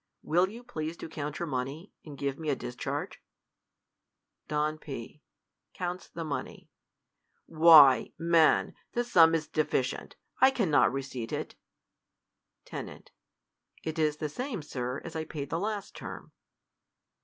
Will you please to count your money, and give me a discharge ?. Don P, l^Cowits the money, '\ Why, man, the sum is deficient ; I cannot receipt it. Ten, It is the same. Sir, as I paid the last term.